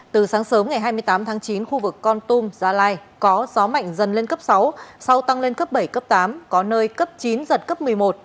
từ sáng sớm ngày hai mươi tám tháng chín khu vực con tum gia lai có gió mạnh dần lên cấp sáu sau tăng lên cấp bảy cấp tám có nơi cấp chín giật cấp một mươi một